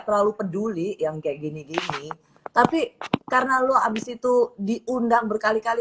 terlalu peduli yang kayak gini gini tapi karena lo abis itu diundang berkali kali